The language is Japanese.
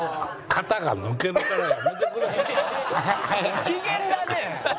「ご機嫌だね」